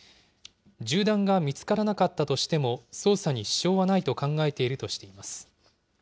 銃弾が見つからなかったとしても、捜査に支障はないと考えているとしています。